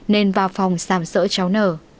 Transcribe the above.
nên vào phòng xàm sỡ cháu n